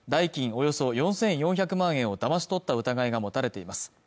およそ４４００万円をだまし取った疑いが持たれています